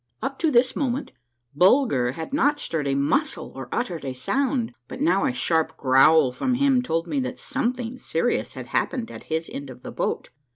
Up to this moment Bulger had not stirred a muscle or uttered a sound, but now a sharp growl from him told me that some thing serious had happened at his end of the boat.